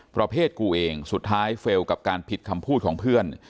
ประเภทกูเองสุดท้ายเฟลล์กับการผิดคำพูดของเพื่อน